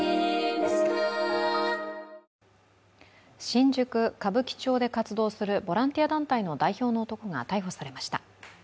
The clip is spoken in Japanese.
新宿・歌舞伎町で活動するボランティア団体の代表の男が逮捕されました。